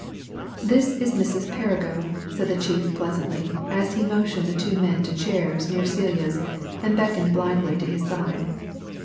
"This is Mrs. Perrigo," said the chief pleasantly, as he motioned the two men to chairs near Celia's and beckoned Blindway to his side.